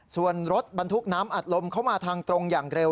ส่วนรถบรรทุกน้ำอัดลมเข้ามาทางตรงอย่างเร็ว